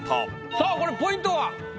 さあこれポイントは？